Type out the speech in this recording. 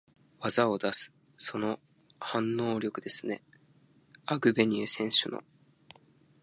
技を出す、その反応力ですね、アグベニュー選手の。